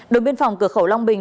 đội biên phòng cửa khẩu long bình